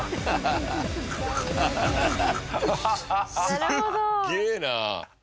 すっげえな！